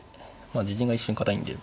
まあ自陣が一瞬堅いんで。